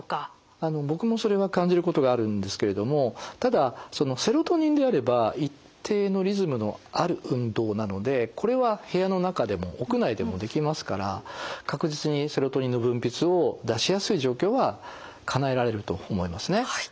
僕もそれは感じることがあるんですけれどもただそのセロトニンであれば一定のリズムのある運動なのでこれは部屋の中でも屋内でもできますから確実にセロトニンの分泌を出しやすい状況はかなえられると思いますね。